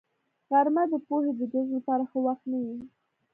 غرمه د پوهې د جذب لپاره ښه وخت نه وي